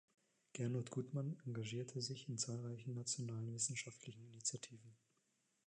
Gernot Gutmann engagierte sich in zahlreichen nationalen wissenschaftlichen Initiativen.